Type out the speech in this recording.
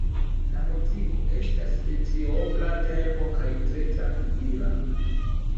La muziko estas de triobla tempo kaj tre trankvila.